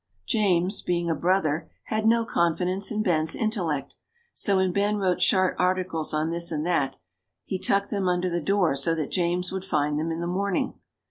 James, being a brother, had no confidence in Ben's intellect, so when Ben wrote short articles on this and that, he tucked them under the door so that James would find them in the morning.